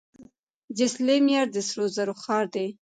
جیسلمیر د سرو زرو ښار دی.